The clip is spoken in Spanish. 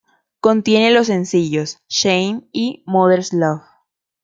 Contiene los sencillos "Shame" y "Mother's Love".